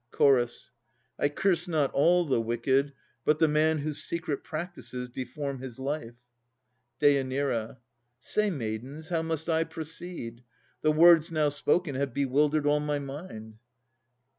CH. I curse not all the wicked, but the man Whose secret practices deform his life. DÊ. Say, maidens, how must I proceed? The words Now spoken have bewildered all my mind.